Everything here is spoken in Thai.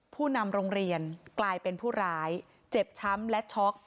ผู้นำโรงเรียนกลายเป็นผู้ร้ายเจ็บช้ำและช็อก